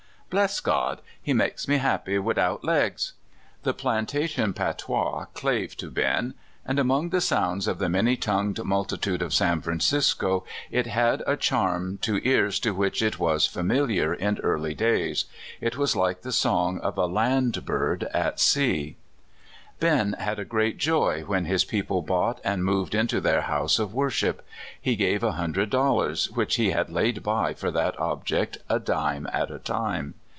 Bless God, he makes me happy wddout legs!" The plantation patois clave to Ben, and among the sounds of the many tongued multitude of San Francisco it had a charm to ears to which it was familiar in early days. It was like the song of a land bird at sea. BEN. 109 Ben had a great joy when his people bought and moved into their house of worship. He gave a hundred dollars, which he had laid by for that object a dime at a time.